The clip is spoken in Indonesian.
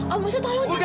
amirsa tolong jangan